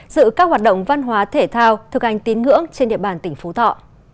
dự các hoạt động văn hóa thể thao thực hành tín ngưỡng trên địa bàn tỉnh phú thọ